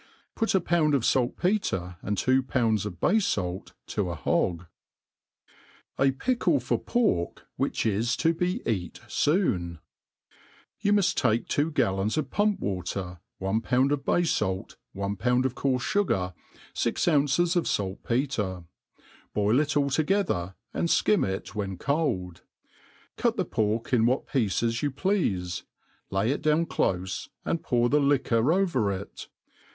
Put a poupd of falt petre and two pounds of bay fait to a hog* J Pickle fer Pork which is to be eat foon* YOU muft take two gallons of pump water, one pound of bay falt, one pound of coarfe fugar, fix ounces of fah petre; boil it all together, and flcim it when cold. Cut the pork in what pieces you pleafe, lay it down clofe, and pour the liquor over it.